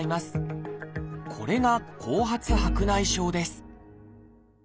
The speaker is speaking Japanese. これが「後発白内障」です